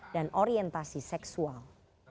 dan orientasi seksual